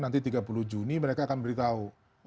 nanti tiga puluh juni mereka akan beritahu